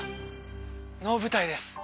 能舞台です